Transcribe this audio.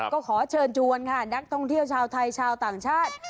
ก็ขอเชิญชวนค่ะนักท่องเที่ยวชาวไทยชาวต่างชาติ